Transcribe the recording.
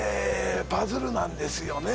パズルなんですよね